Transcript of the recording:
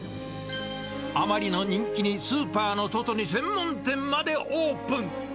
あまりの人気にスーパーの外に専門店までオープン。